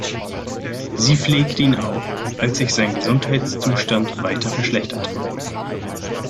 Sie pflegte ihn auch, als sich sein Gesundheitszustand weiter verschlechterte.